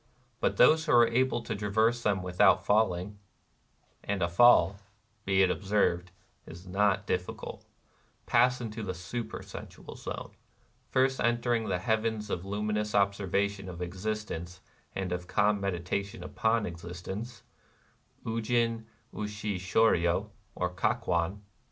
But 246 NIRVANA those who are able to traverse them without falling — (and a fall, be it observed, is not difficult) — pass into the Supersensual Zone, first entering the Heavens of Luminous Ob servation of Existence and of Calm Medita tion upon Existence ( Ujin ushi shoryo, or JTak hwari).